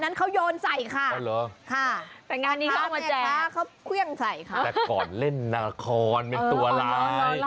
อันนั้นเขาโยนใส่ค่ะค่ะอันนั้นเขาเครื่องใส่ค่ะแต่ก่อนเล่นนาคอร์นเป็นตัวร้าย